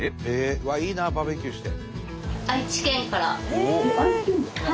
うわっいいなバーベキューして。